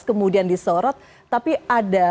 kemudian disorot tapi ada